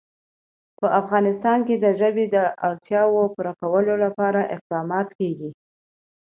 په افغانستان کې د ژبې د اړتیاوو پوره کولو لپاره اقدامات کېږي.